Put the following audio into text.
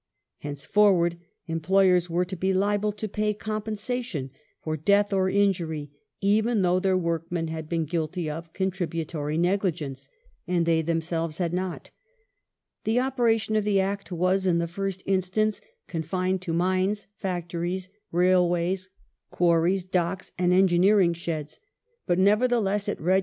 Henceforward, employei s were to be liable to pay compensation for death or injury, even though their workmen had been guilty of " contributory negligence " and they themselves had not. The operation of the Act was in the fii st instance confined to mines, factories, railways, quarries, docks, and engineering sheds, but nevertheless it registered an important stage on the road towards compulsory insurance.